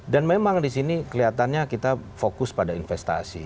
dan memang di sini kelihatannya kita fokus pada investasi